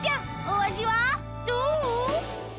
お味はどう？